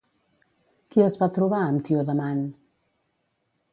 Qui es va trobar amb Tiodamant?